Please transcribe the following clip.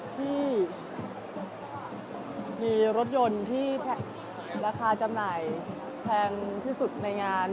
ที่มีรถยนต์ที่ราคาจำหน่ายแพงที่สุดในงาน